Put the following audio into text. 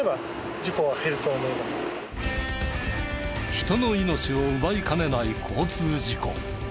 人の命を奪いかねない交通事故。